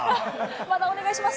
まだお願いします。